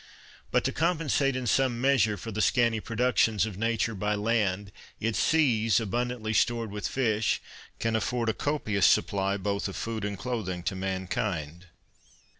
But to compensate in some measure for the scanty productions of nature by land, its seas, abundantly stored with fish, can afford a copious supply both of food and clothing to mankind.